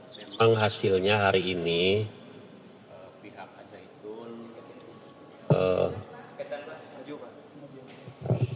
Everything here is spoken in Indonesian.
memang hasilnya hari ini pihak ajaidun